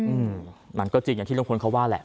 อืมมันก็จริงอย่างที่ลุงพลเขาว่าแหละ